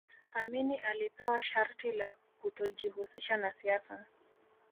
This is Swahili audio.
amini alipewa sharti la kutojihusisha na siasa